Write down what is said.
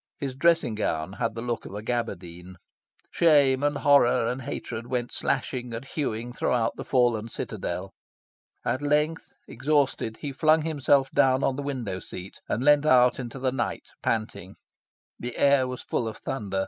His dressing gown had the look of a gabardine. Shame and horror and hatred went slashing and hewing throughout the fallen citadel. At length, exhausted, he flung himself down on the window seat and leaned out into the night, panting. The air was full of thunder.